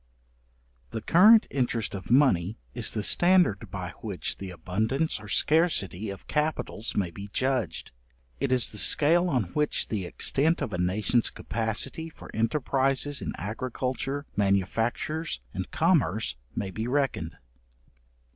The current interest of money is the standard by which the abundance or scarcity of capitals may be judged; it is the scale on which the extent of a nation's capacity for enterprizes in agriculture, manufactures, and commerce, may be reckoned.